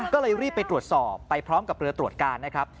ก็เลยรีบไปตรวจสอบไปพร้อมกับเรือตรวจการนะครับ